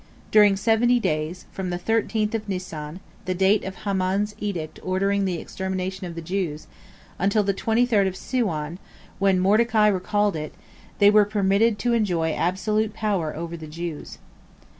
During seventy days, from the thirteenth of Nisan, the date of Haman's edict ordering the extermination of the Jews, until the twenty third of Siwan, when Mordecai recalled it, they were permitted to enjoy absolute power over the Jews.